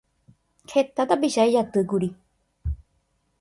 Heta tapicha ijatýkuri